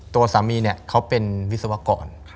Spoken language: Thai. ตัวสามีเขาเป็นวิศวกร